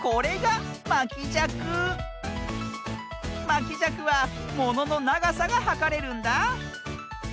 まきじゃくはもののながさがはかれるんだ。